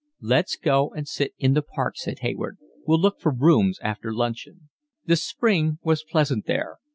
"Let's go and sit in the Park," said Hayward. "We'll look for rooms after luncheon." The spring was pleasant there.